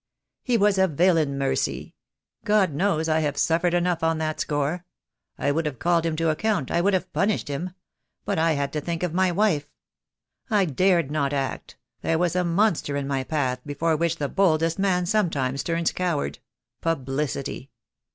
"He was a villain, Mercy. God knows, I have suf fered enough on that score. I would have called him to account, I would have punished him; but I had to think of my wife. I dared not act — there was a monster in my path before which the boldest man sometimes turns coward — publicity.